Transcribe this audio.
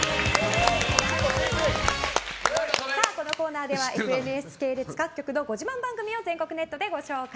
このコーナーではＦＮＳ系列各局のご自慢番組を全国ネットでご紹介。